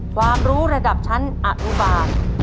ความรู้ระดับชั้นอนุบาล